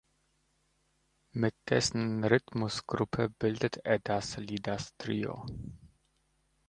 Mit dessen Rhythmusgruppe bildete er das "Leaders Trio".